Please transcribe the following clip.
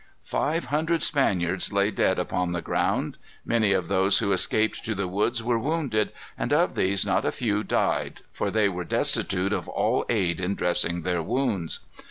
Five hundred Spaniards lay dead upon the ground. Many of those who escaped to the woods were wounded, and of these not a few died, for they were destitute of all aid in dressing their wounds.